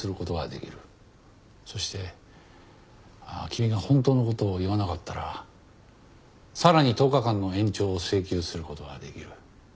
そして君が本当の事を言わなかったらさらに１０日間の延長を請求する事ができる。